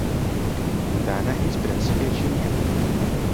دانا هیچ پرەنسیپێکی نییە.